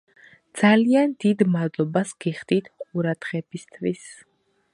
ძალიან დიდ მადლობას გიხდით ყურადღებისთვის